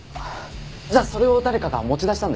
じゃあそれを誰かが持ち出したんですね。